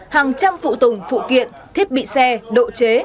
hàng trăm phụ tùng phụ kiện thiết bị xe độ chế